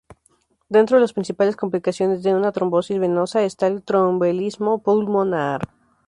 Dentro de las principales complicaciones de una trombosis venosa está el tromboembolismo pulmonar.